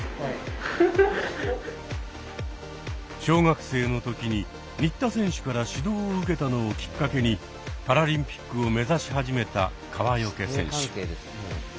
小学生の時に新田選手から指導を受けたのをきっかけにパラリンピックを目指し始めた川除選手。